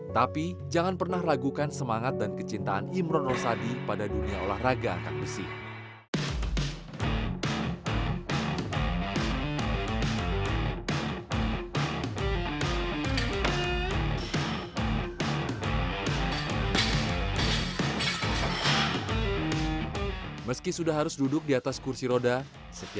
tapi jangan pernah ragukan semangat dan kecintaan imron rosadi pada dunia olahraga angkat besi